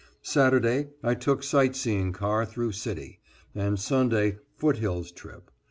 Saturday, I took sight seeing car through city, and Sunday foothills trip.